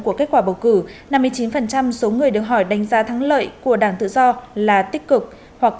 của kết quả bầu cử năm mươi chín số người được hỏi đánh giá thắng lợi của đảng tự do là tích cực hoặc